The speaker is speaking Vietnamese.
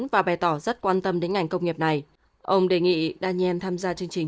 và bày tỏ rất quan tâm đến ngành công nghiệp này ông đề nghị daniel tham gia chương trình